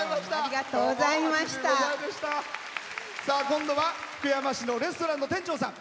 今度は福山市のレストランの店長さん。